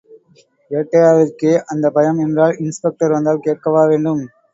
ஏட்டய்யாவிற்கே அந்தப் பயம் என்றால், இன்ஸ்பெக்டர் வந்தால் கேட்கவா வேண்டும்?